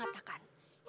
ada pepatah kuno mengatakan